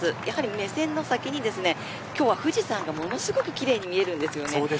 目線の先に今日は富士山がものすごくきれいに見えます。